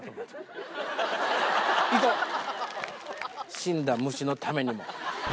死んだ虫のためにも。